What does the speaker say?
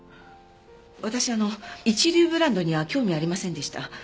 私あの一流ブランドには興味ありませんでした。